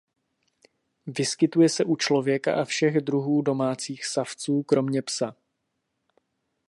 Vyskytuje se u člověka a všech druhů domácích savců kromě psa.